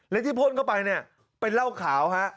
แล้วที่พ่นเข้าไปเนี่ยไปเล่าข่าวฮะ